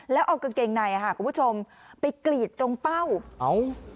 แล้วเอากางเกงในคุณผู้ชมไปกรีดโรงเป้า